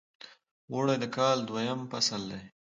اوړی د کال دویم فصل دی .